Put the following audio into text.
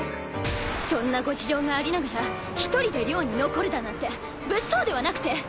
そんなご事情がありながら一人で寮に残るだなんて物騒ではなくて？